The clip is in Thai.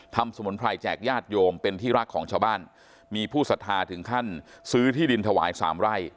สมุนไพรแจกญาติโยมเป็นที่รักของชาวบ้านมีผู้สัทธาถึงขั้นซื้อที่ดินถวายสามไร่